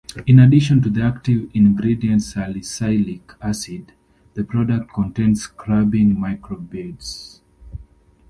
In addition to the active ingredient salicylic acid, the product contains scrubbing micro beads.